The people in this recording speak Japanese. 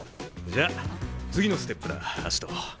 じゃ次のステップだ葦人。